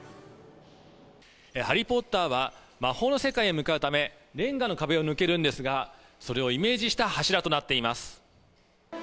ハリー・ポッターは魔法の世界へ向かうため、れんがの壁を抜けるんですが、それをイメージした柱となっています。